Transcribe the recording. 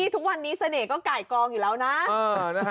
ทุกวันนี้เสน่ห์ก็ไก่กองอยู่แล้วนะ